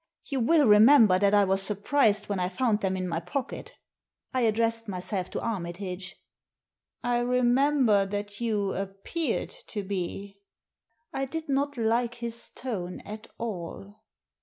You will remember that I was surprised when I found them in my pocket?" I addressed myself to Armitage. " I remember that you appeared to be." I did not like his tone at all.